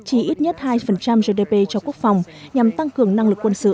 chi ít nhất hai gdp cho quốc phòng nhằm tăng cường năng lực quân sự